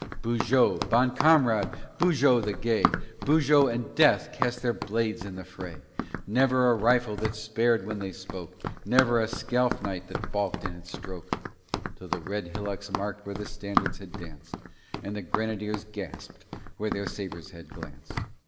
Beaujeu, bon camarade! Beaujeu the Gay! Beaujeu and Death cast their blades in the fray. Never a rifle that spared when they spoke, Never a scalp knife that balked in its stroke. Till the red hillocks marked where the standards had danced, And the Grenadiers gasped where their sabres had glanced.